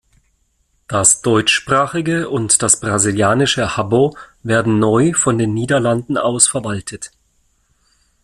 Das deutschsprachige und das brasilianische Habbo werden neu von den Niederlanden aus verwaltet.